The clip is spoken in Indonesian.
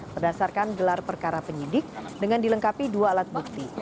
berdasarkan gelar perkara penyidik dengan dilengkapi dua alat bukti